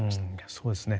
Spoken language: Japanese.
そうですね。